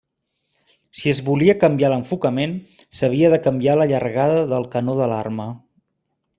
Si es volia canviar l'enfocament, s'havia de canviar la llargada del canó de l'arma.